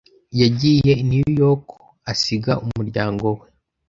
Yagiye i New York, asiga umuryango we.